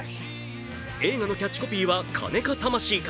映画のキャッチコピーは「金か、魂か」。